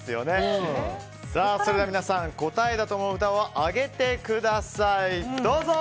それでは皆さん、答えだと思う札を挙げてください。